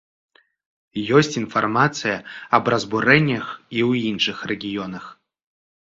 Ёсць інфармацыя аб разбурэннях і ў іншых рэгіёнах.